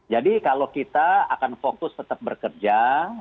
jadi kalau kita akan fokus tetap bekerja